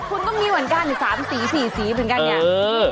คุณก็มีเหมือนกัน๓สี๔สีเหมือนกันเนี่ย